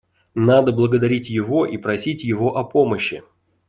Надо благодарить Его и просить Его о помощи.